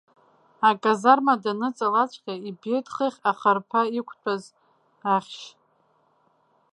Аказарма данныҵалаҵәҟьа ибеит хыхь ахарԥа иқәтәаз ахьшь.